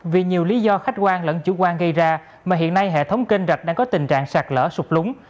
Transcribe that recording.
vì nhiều lý do khách quan lẫn chủ quan gây ra mà hiện nay hệ thống kênh rạch đang có tình trạng sạt lở sụp lúng